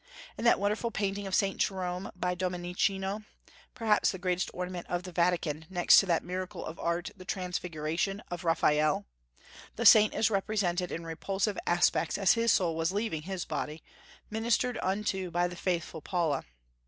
In that wonderful painting of Saint Jerome by Domenichino, perhaps the greatest ornament of the Vatican, next to that miracle of art, the "Transfiguration" of Raphael, the saint is represented in repulsive aspects as his soul was leaving his body, ministered unto by the faithful Paula.